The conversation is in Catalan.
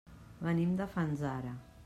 Venim de Fanzara.